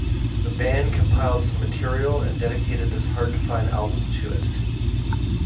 The band compiled some material and dedicated this hard-to-find album to it.